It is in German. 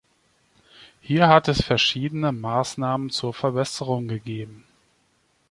Hier hat es verschiedene Maßnahmen zur Verbesserung gegeben.